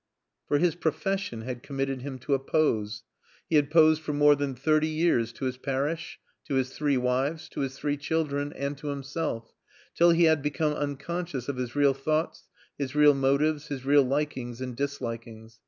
For his profession had committed him to a pose. He had posed for more than thirty years to his parish, to his three wives, to his three children, and to himself, till he had become unconscious of his real thoughts, his real motives, his real likings and dislikings.